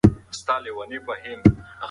منډېلا ورته هیڅ هم ونه ویل.